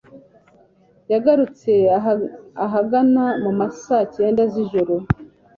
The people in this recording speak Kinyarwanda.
Yagarutse ahagana mu ma saa cyenda z'ijoro